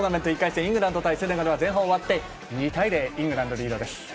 イングランド対セネガルは前半終わって２対０、イングランドリードです。